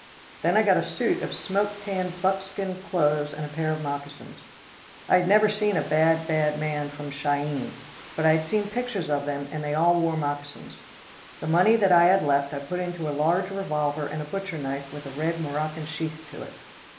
Then I got a suit of smoke tanned buckskin clothes and a pair of moccasins. I had never seen a bad, bad man from Chi eene, but I had seen pictures of them and they all wore moccasins. The money that I had left I put into a large revolver and a butcher knife with a red Morocco sheath to it.